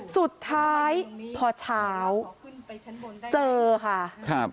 สุดท้ายพอเช้าเจอค่ะ